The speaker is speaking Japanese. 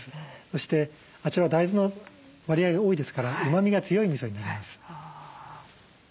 そしてあちらは大豆の割合が多いですからうまみが強いみそになります。